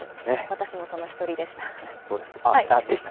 私もその一人でした。